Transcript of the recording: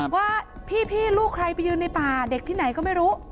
ว่าพี่ลูกใครไปยืนในป่าเด็กที่ไหนก็ไม่รู้